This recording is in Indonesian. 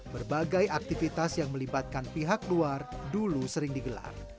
berbagai aktivitas yang melibatkan pihak luar dulu sering digelar